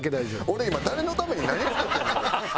俺今誰のために何作ってんのやろう？